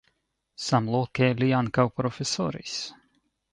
Samloke li ankaŭ profesoris.